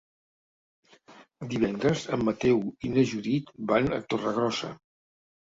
Divendres en Mateu i na Judit van a Torregrossa.